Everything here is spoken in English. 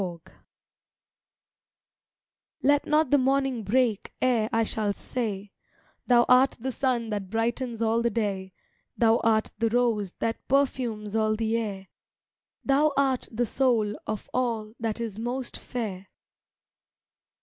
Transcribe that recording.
TO —— Let not the morning break ere I shall say "Thou art the Sun that brightens all the day, Thou art the Rose that perfumes all the air, Thou art the Soul of all that is most fair."